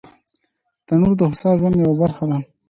تنور د هوسا ژوند یوه برخه ده